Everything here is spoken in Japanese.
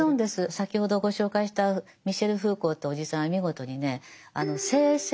先ほどご紹介したミシェル・フーコーというおじさんは見事にね「生政治」。